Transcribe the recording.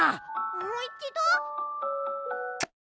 もういちど？